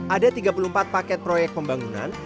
ada tiga puluh empat paket proyek pembangunan